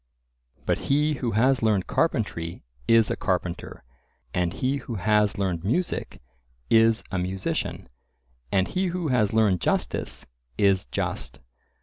But he who has learned carpentry is a carpenter, and he who has learned music is a musician, and he who has learned justice is just.